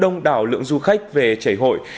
đông đảo lượng du khách về chảy hội